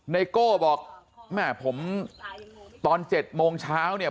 ไโก้บอกแม่ผมตอน๗โมงเช้าเนี่ย